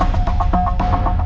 apa yang kamu inginkan